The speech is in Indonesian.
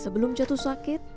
sebelum jatuh sakit